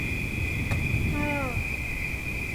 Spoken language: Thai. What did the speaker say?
เฮ้อ !